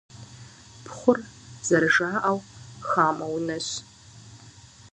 Пхъур, зэрыжаӀэу, хамэ унэщ.